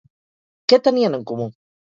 Què tenien en comú?